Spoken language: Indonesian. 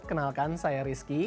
kenalkan saya rizky